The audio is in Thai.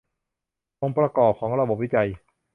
องค์ประกอบของระบบวิจัย